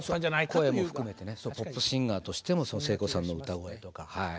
声も含めてポップシンガーとしても聖子さんの歌声とかはい。